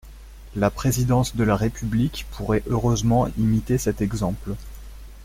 La présidence de la République pourrait heureusement imiter cet exemple.